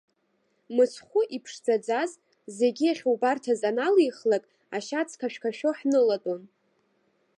Мыцхәы иԥшӡаӡаз, зегьы ахьубарҭаз аналихлак, ашьац қашәқашәо ҳнылатәон.